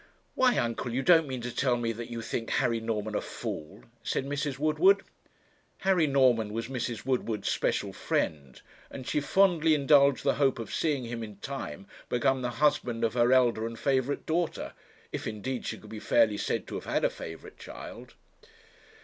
'Why, uncle, you don't mean to tell me that you think Harry Norman a fool?' said Mrs. Woodward. Harry Norman was Mrs. Woodward's special friend, and she fondly indulged the hope of seeing him in time become the husband of her elder and favourite daughter; if, indeed, she can be fairly said to have had a favourite child.